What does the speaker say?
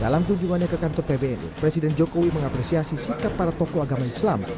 untuk tujungannya ke kantor pbn presiden jokowi mengapresiasi sikap para tokoh agama islam